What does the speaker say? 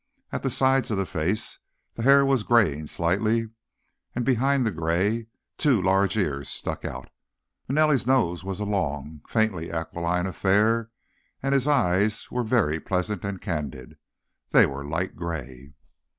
At the sides of the face, the hair was greying slightly, and behind the grey two large ears stuck out. Manelli's nose was a long, faintly aquiline affair and his eyes were very pleasant and candid. They were light grey.